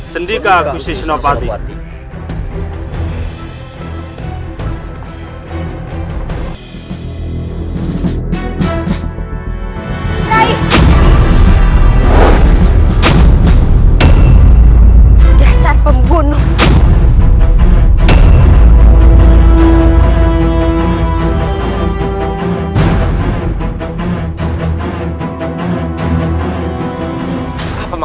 sendika gusti sinopati